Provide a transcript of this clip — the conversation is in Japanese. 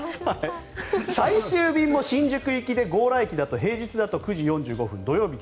最終便も新宿行きで、強羅駅だと平日だと９時４５分土曜日、